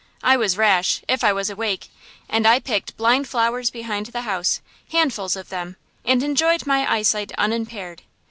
I was rash, if I was awake; and I picked "blind flowers" behind the house, handfuls of them, and enjoyed my eyesight unimpaired.